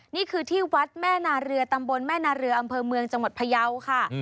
นี่คือที่วัดแม่นาเรือตำบลแม่นาเรืออำเภอเมืองจังหวัดพยาวค่ะ